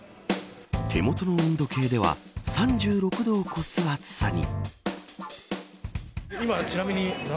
手元の温度計では３６度を超す暑さに。